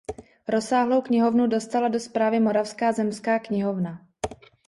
Rozsáhlou knihovnu dostala do správy Moravská zemská knihovna.